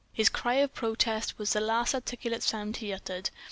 His cry of protest was the last articulate sound he uttered.